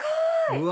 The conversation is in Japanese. うわ！